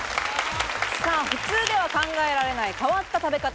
普通では考えられない変わっ